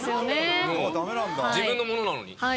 自分の物なのに。